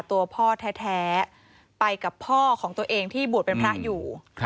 ตัวพ่อแท้ไปกับพ่อของตัวเองที่บวชเป็นพระอยู่